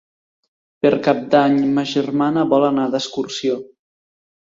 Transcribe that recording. Per Cap d'Any ma germana vol anar d'excursió.